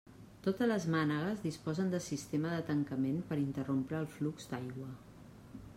Totes les mànegues disposen de sistema de tancament per interrompre el flux d'aigua.